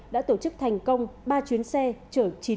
đã tổ chức thành công ba chuyến xe chở chín người từ hà nội về nghệ an